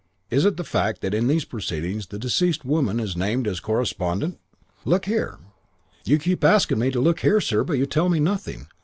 "'Is it the fact that in these proceedings the deceased woman is named as corespondent?' "'Look here ' "'You keep asking me to look here, sir, but you tell me nothing.